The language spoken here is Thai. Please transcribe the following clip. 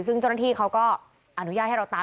ซึ่งเจ้าหน้าที่เขาก็อนุญาตให้เราตาม